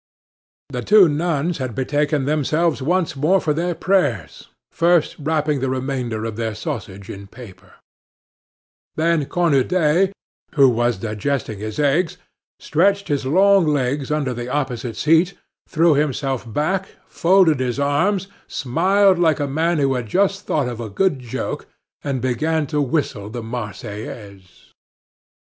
The two nuns had betaken themselves once more to their prayers, first wrapping the remainder of their sausage in paper: Then Cornudet, who was digesting his eggs, stretched his long legs under the opposite seat, threw himself back, folded his arms, smiled like a man who had just thought of a good joke, and began to whistle the Marseillaise.